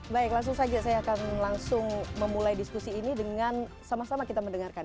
baik langsung saja saya akan langsung memulai diskusi ini dengan sama sama kita mendengarkan